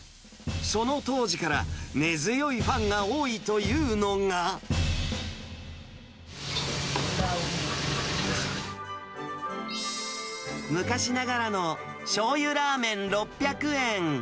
その当時から根強いファンが多いというのが、昔ながらのしょうゆラーメン６００円。